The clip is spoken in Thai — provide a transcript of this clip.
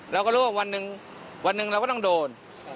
เราก็รู้ว่าวันหนึ่งวันหนึ่งเราก็ต้องโดน